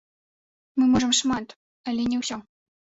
Мы можам шмат, але не ўсё.